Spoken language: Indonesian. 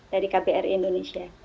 dari kpr indonesia